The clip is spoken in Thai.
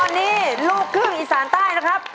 ตอนนี้ลูกครึ่งอีสานใต้นะครับ